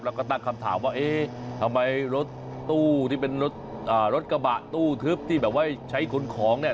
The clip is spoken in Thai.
แล้วก็ตั้งคำถามว่าเอ๊ะทำไมรถตู้ที่เป็นรถกระบะตู้ทึบที่แบบว่าใช้ขนของเนี่ย